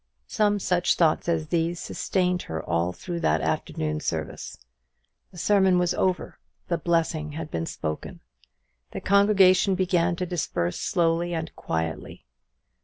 Some such thoughts as these sustained her all through that afternoon service. The sermon was over; the blessing had been spoken; the congregation began to disperse slowly and quietly.